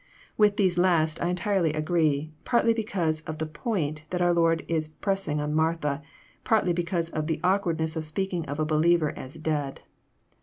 — With these last I entirely agree, partly because of the point that our Lord is pressing on Martha, partly because of the awkward ness of speaking of a believer as ^^ dead."